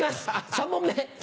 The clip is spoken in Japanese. ３問目。